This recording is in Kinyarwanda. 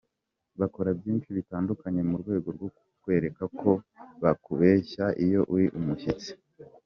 Bakora byinshi bitandukanye mu rwego rwo kukwereka ko bakubashye iyo uri ‘umushyitsi’.